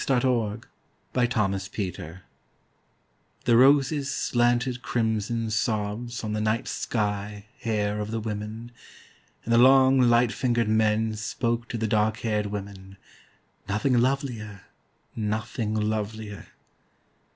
Testimony Regarding a Ghost THE ROSES slanted crimson sobsOn the night sky hair of the women, And the long light fingered menSpoke to the dark haired women,"Nothing lovelier, nothing lovelier."